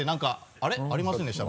ありませんでした？